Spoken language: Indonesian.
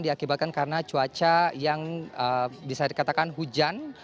diakibatkan karena cuaca yang bisa dikatakan hujan